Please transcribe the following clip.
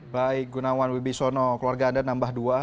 baik gunawan wibisono keluarga anda nambah dua